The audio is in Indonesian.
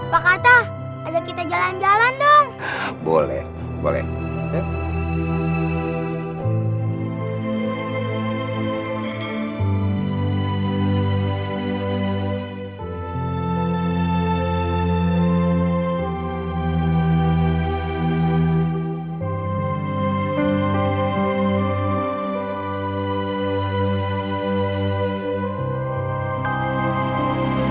pak kata ajak kita jalan jalan dong